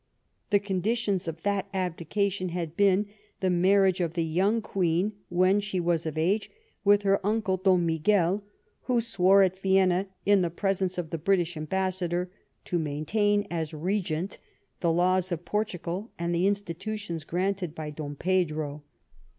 The conditions of that abdication had been the marriage of the young queen, when she was of age, with her uncle, Dom Miguel, who swore at Vienna, in the presence of the British Ambassador, to maintain as Regent the laws of Portugal and the institutions granted by Dom Pedro.